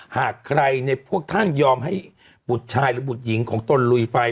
หากใครในพวกท่านยอมให้บุตรชายหรือบุตรหญิงของตนลุยไฟ